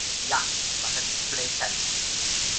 Ia ma' hynny'n gwneud sens.